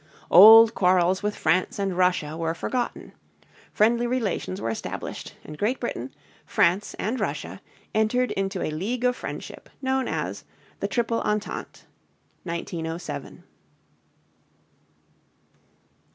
Old quarrels with France and Russia were forgotten. Friendly relations were established, and Great Britain, France, and Russia entered into a league of friendship known as the Triple Entente (1907). SUGGESTIONS FOR STUDY.